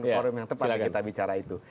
itu orang yang tepat yang kita bicara itu